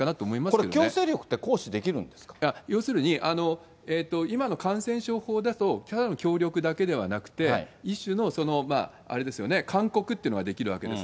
これ、強制力って行使できる要するに、今の感染症法だと、ただの協力だけではなくて、一種のあれですよね、勧告っていうのができるわけです。